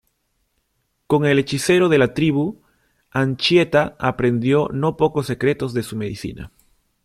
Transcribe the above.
Con el hechicero de la tribu, Anchieta aprendió no pocos secretos de su medicina.